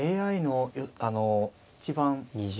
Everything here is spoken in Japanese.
ＡＩのあの一番。